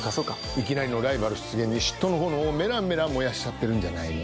いきなりのライバル出現に嫉妬の炎をメラメラ燃やしちゃってるんじゃないの？